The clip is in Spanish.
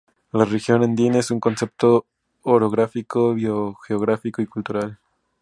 La región andina es un concepto orográfico, biogeográfico y cultural.